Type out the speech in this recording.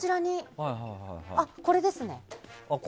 これですね。